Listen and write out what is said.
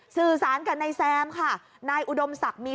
นี่มันเป็นไงนี่มันเป็นไง